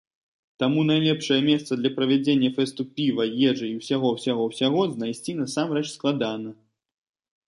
Таму найлепшае месца для правядзення фэсту піва, ежы і ўсяго-ўсяго-ўсяго знайсці насамрэч складана.